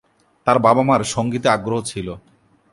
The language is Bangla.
তার বাব-মার সংগীতে আগ্রহ ছিল।